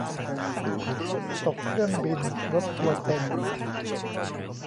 ตกเครื่องบิน รถทัวร์เต็ม